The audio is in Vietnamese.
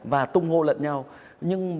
và tung hô lận nhau